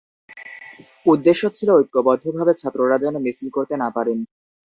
উদ্দেশ্য ছিল ঐক্যবদ্ধভাবে ছাত্ররা যেন মিছিল করতে না পারেন।